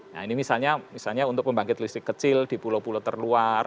nah ini misalnya untuk pembangkit listrik kecil di pulau pulau terluar